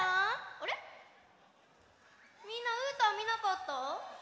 みんなうーたんみなかった？